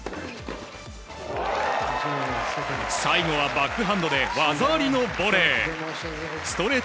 最後はバックハンドで技ありのボレー。